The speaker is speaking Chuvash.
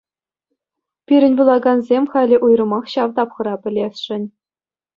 Пирӗн вулакансем халӗ уйрӑмах ҫав тапхӑра пӗлесшӗн.